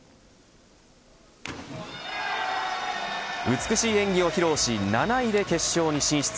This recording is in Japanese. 美しい演技を披露し７位で決勝に進出。